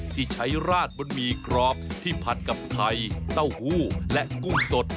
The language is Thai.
ที่ใช้ราดบนหมี่กรอบที่ผัดกับไข่เต้าหู้และกุ้งสด